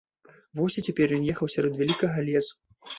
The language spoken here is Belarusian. Вось і цяпер ён ехаў сярод вялікага лесу.